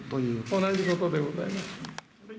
同じことでございます。